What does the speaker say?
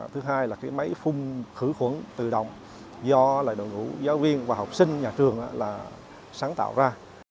thứ hai là cái máy phun khử khuẩn tự động do đội ngũ giáo viên và học sinh nhà trường là sáng tạo ra